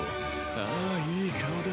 ああいい顔だ。